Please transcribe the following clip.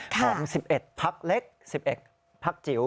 ของ๑๑พักเล็ก๑๑พักจิ๋ว